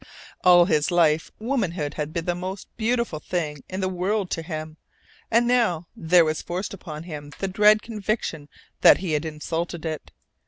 All his life womanhood had been the most beautiful thing in the world to him. And now there was forced upon him the dread conviction that he had insulted it.